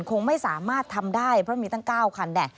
คงไม่สามารถทำได้เพราะมีตั้ง๙คัน